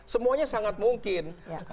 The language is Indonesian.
semuanya sangat mungkin